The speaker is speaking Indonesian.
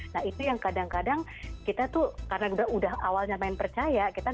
nah itu yang kadang kadang kita tuh karena udah awalnya main percaya